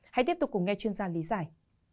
hãy tiếp tục cùng nghe chuyên gia lý giải